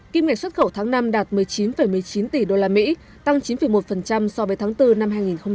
kim ngạch xuất khẩu tháng năm đạt một mươi chín một mươi chín tỷ đô la mỹ tăng chín một so với tháng bốn năm hai nghìn hai mươi